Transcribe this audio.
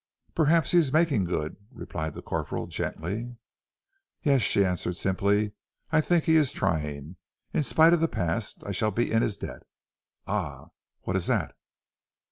"Perhaps he is making good," replied the corporal gently. "Yes," she answered simply. "I think he is trying. In spite of the past I shall be in his debt. Ah! What is that?"